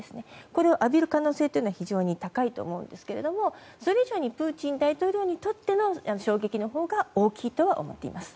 それを浴びる可能性が非常に高いと思うんですがそれ以上にプーチン大統領への衝撃のほうが大きいと思います。